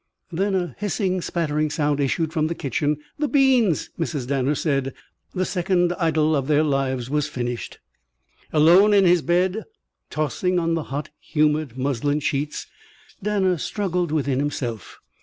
Then a hissing, spattering sound issued from the kitchen. "The beans!" Mrs. Danner said. The second idyl of their lives was finished. Alone in his bed, tossing on the humid muslin sheets, Danner struggled within himself.